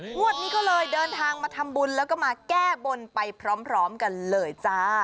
งวดนี้ก็เลยเดินทางมาทำบุญแล้วก็มาแก้บนไปพร้อมกันเลยจ้า